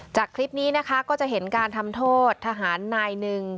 จากคลิปนี้นะคะก็จะเห็นการทำโทษทหารนายหนึ่ง